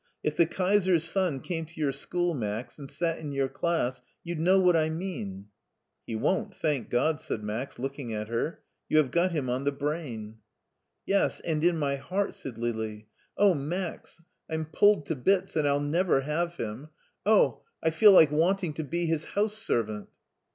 If the Kaiser's son came to your school, Max, and sat in your class, you'd know what I mean." " He won't, thank God !" said Max, looking at her. *' You have got him on the brain." •'Yes, and in my heart," said Lili. '*0h. Max! it it it HEIDELBERG 73 I'm pulled to bits, and I'll never have him. Oh! I feel like wanting to be his house servant."